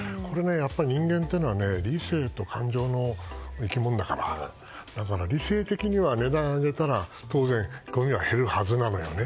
人間というのは理性と感情の生き物だから理性的には値段を上げたら当然ごみは減るはずなのよね。